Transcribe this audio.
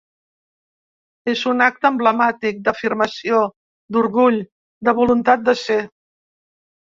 És un acte emblemàtic, d’afirmació, d’orgull, de voluntat de ser.